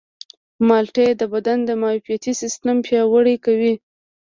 مالټې د بدن معافیتي سیستم پیاوړی کوي.